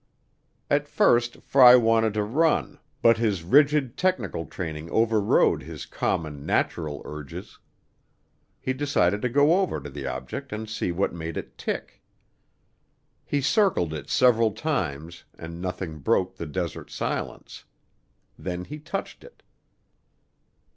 At first Fry wanted to run but his rigid technical training overrode his common, natural urges. He decided to go over to the object and see what made it tick. He circled it several times and nothing broke the desert silence. Then he touched it.